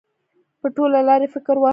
په ټوله لار یې فکر واهه.